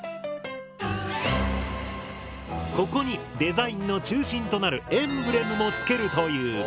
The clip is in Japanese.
ここにデザインの中心となるエンブレムもつけるという。